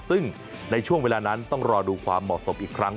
ซึ่งในช่วงเวลานั้นต้องรอดูความเหมาะสมอีกครั้ง